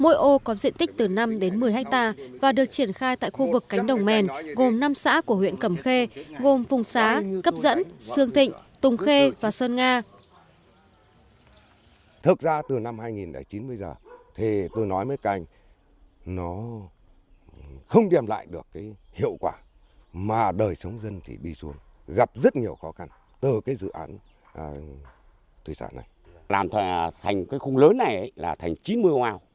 mỗi ô có diện tích từ năm đến một mươi hectare và được triển khai tại khu vực cánh đồng mèn gồm năm xã của huyện cầm khê gồm phùng xá cấp dẫn sương thịnh tùng khê và sơn nga